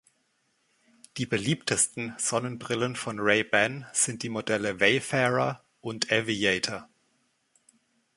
Die beliebtesten Sonnenbrillen von Ray-Ban sind die Modelle „Wayfarer“ und „Aviator“.